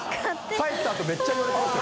帰ったあとめっちゃ言われてますよ。